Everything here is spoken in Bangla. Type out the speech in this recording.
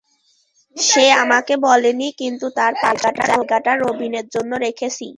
সে আমাকে বলেনি, কিন্তু তার পাশের জায়গাটা রবিনের জন্য রেখেছি।